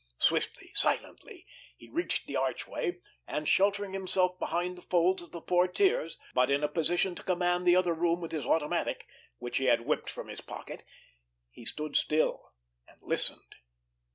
Swiftly, silently, he reached the archway, and, sheltering himself behind the folds of the portières, but in a position to command the other room with his automatic, which he had whipped from his pocket, he stood still and listened.